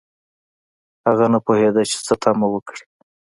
هغه نه پوهیده چې څه تمه وکړي